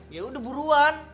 ya udah buruan